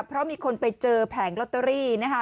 เพราะมีคนไปเจอแผงลอตเตอรี่นะคะ